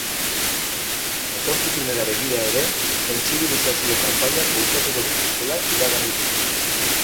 Etorkizunera begira ere sentsibilizazio kanpainak bultzatuko dituztela iragarri du.